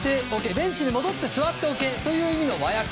ベンチに戻って座っておけという意味の和訳。